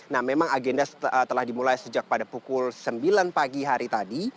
nah memang agenda telah dimulai sejak pada pukul sembilan pagi hari tadi